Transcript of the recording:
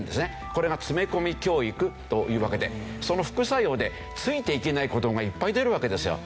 これが詰め込み教育というわけでその副作用でついていけない子どもがいっぱい出るわけですよ。